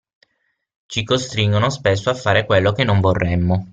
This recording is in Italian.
Ci costringono spesso a fare quello che non vorremmo.